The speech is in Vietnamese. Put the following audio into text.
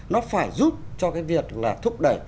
nó phải giúp cho cái việc là thúc đẩy